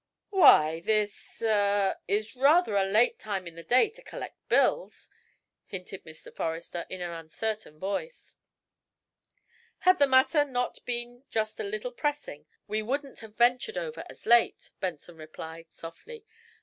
"Why, this er is rather a late time in the day to collect bills," hinted Mr. Forrester, in an uncertain voice. "Had the matter not been just a little pressing we wouldn't have ventured over as late," Benson replied, softly.